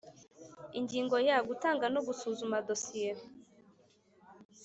Ingingo ya Gutanga no gusuzuma dosiye